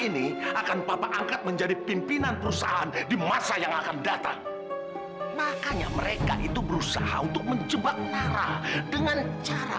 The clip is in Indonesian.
sampai jumpa di video selanjutnya